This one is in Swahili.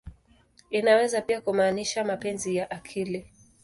Inaweza pia kumaanisha "mapenzi ya akili.